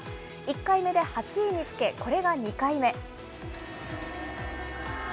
１回目で８位につけ、これが２回目。